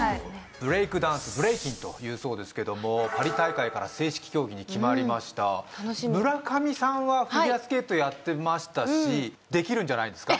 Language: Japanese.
ブレイクダンスブレイキンというそうですけどもパリ大会から正式競技に決まりました村上さんはフィギュアスケートやってましたしできるんじゃないですか？